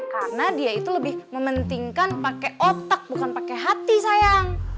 karena dia itu lebih mementingkan pakai otak bukan pakai hati sayang